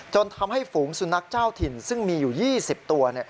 จนทำให้ฝูงสุนัขเจ้าถิ่นซึ่งมีอยู่๒๐ตัว